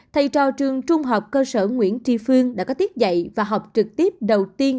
thầy trò trường trung học cơ sở nguyễn tri phương đã có tiết dạy và học trực tiếp đầu tiên